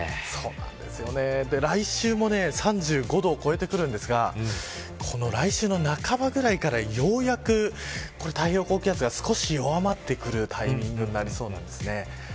来週も３５度を超えてくるんですが来週の半ばくらいからようやく太平洋高気圧が少し弱まってくるタイミングになりそうなんです。